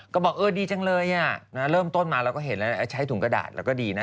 ก็บอกเออดีจังเลยเริ่มต้นมาเราก็เห็นแล้วใช้ถุงกระดาษเราก็ดีนะ